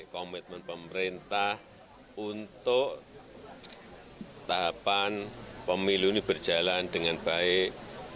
komitmen pemerintah untuk tahapan pemilu ini berjalan dengan baik